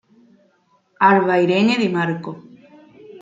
Alba Irene Di Marco.